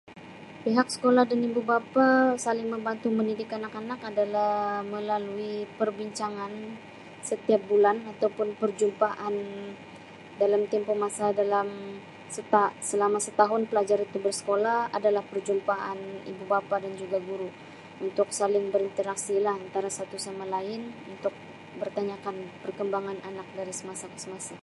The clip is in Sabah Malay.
Pihak sekolah dan ibu bapa saling membantu dalam mendidik anak-anak adalah melalui perbincangan setiap bulan ataupun perjumpaan dalam tempoh masa dalam seta selama setahun pelajar itu bersekolah adalah perjumpaan ibu bapa dan juga guru untuk saling berinteraksi lah antara satu sama lain untuk bertanyakan perkembangan anak dari semasa ke semasa.